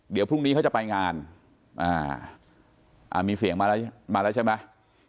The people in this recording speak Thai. เดี๋ยวพรุ่งนี้เขาจะไปงานมีเสียงมาแล้วมาแล้วใช่ไหม